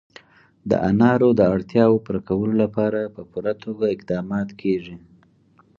د انارو د اړتیاوو پوره کولو لپاره په پوره توګه اقدامات کېږي.